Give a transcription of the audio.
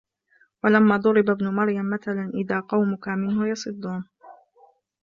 وَلَمّا ضُرِبَ ابنُ مَريَمَ مَثَلًا إِذا قَومُكَ مِنهُ يَصِدّونَ